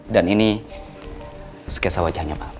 dan ini skesa wajahnya pa